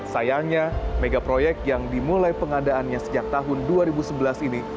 sayangnya mega proyek yang dimulai pengadaannya sejak tahun dua ribu sebelas ini